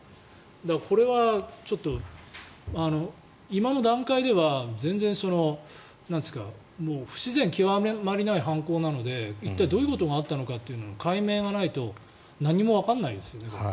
これはちょっと今の段階では全然不自然極まりない犯行なので一体どういうことがあったのかという解明がないと何もわからないですよね。